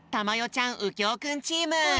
ちゃんうきょうくんチーム。